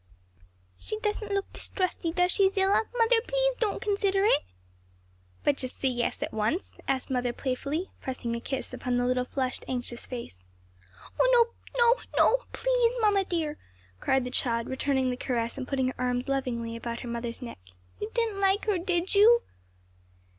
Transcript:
she doesn't look distrusty, does she, Zillah? Mother please don't consider it!" "But just say yes at once?" asked mother playfully, pressing a kiss upon the little flushed, anxious face. "Oh no, no, no! please, mamma dear;" cried the child returning the caress and putting her arms lovingly about her mother's neck. "You didn't like her, did you?"